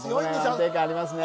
安定感ありますね